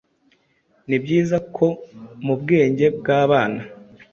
Ni byiza ko mu bwenge bw’abana